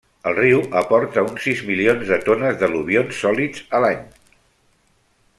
El riu aporta uns sis milions de tones d'al·luvions sòlids a l'any.